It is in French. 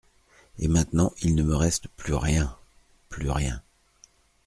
Et maintenant il ne me reste plus rien, plus rien.